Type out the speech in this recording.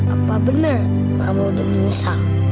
apa bener mama udah menyesal